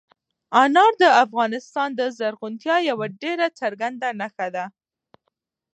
انار د افغانستان د زرغونتیا یوه ډېره څرګنده نښه ده.